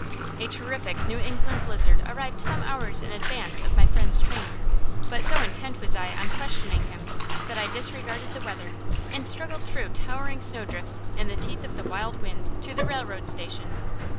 A terrific New England blizzard arrived some hours in advance of my friend's train, but so intent was I on questioning him that I disregarded the weather, and struggled through towering snowdrifts, in the teeth of the wild wind, to the railroad station.